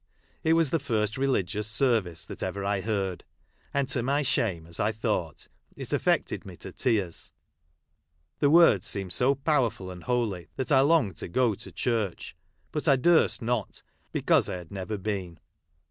It was the first religio" that ever I heard ; and, to my shame, as i 'thought, it afi'ected me to tears. The \vonls seemed so peaceful and holy that I longodlto go to church, but I durst not, because"! had never been.